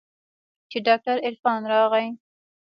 چې ډاکتر عرفان راغى.